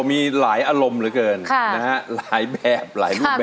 มีหลายอารมณ์เหลือเกินค่ะค่ะหลายแบบ